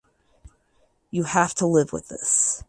You have to live with this.